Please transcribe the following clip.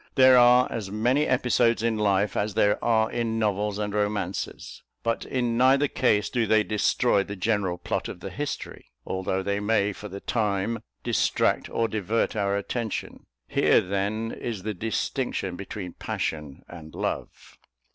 There are as many episodes in life as there are in novels and romances; but in neither case do they destroy the general plot of the history, although they may, for the time, distract or divert our attention. Here, then, is the distinction between passion and love.